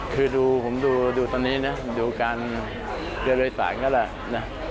คือดูผมดูดูตอนนี้นะดูการเรือโดยสารก็แหละนะ